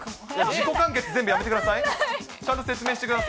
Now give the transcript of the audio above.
自己完結、全部やめてください、ヒントは？